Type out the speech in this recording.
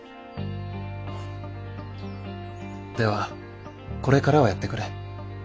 ではこれからはやってくれ。